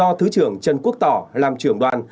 do thứ trưởng trần quốc tỏ làm trưởng đoàn